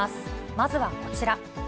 まずはこちら。